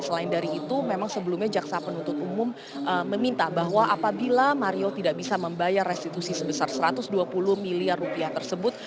selain dari itu memang sebelumnya jaksa penuntut umum meminta bahwa apabila mario tidak bisa membayar restitusi sebesar satu ratus dua puluh miliar rupiah tersebut